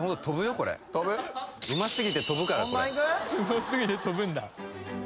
これうますぎて飛ぶんだ？